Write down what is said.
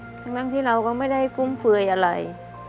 สำหรับที่เราก็ไม่ได้ฟุ้มเฟื่อยอะไร